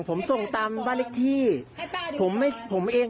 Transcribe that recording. ผมมาส่งตามบ้านเล็กที่เฉย